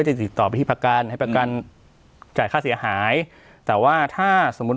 ติดต่อไปที่ประกันให้ประกันจ่ายค่าเสียหายแต่ว่าถ้าสมมุติ